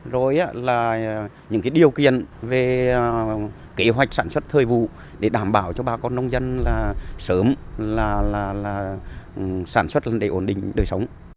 rồi là những điều kiện về kế hoạch sản xuất thời vụ để đảm bảo cho bà con nông dân là sớm sản xuất để ổn định đời sống